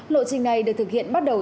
lộ trình này được thực hiện bắt đầu